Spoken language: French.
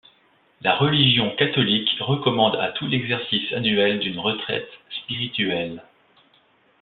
La religion catholique recommande à tous l'exercice annuel d'une retraite spirituelle.